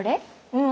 うん。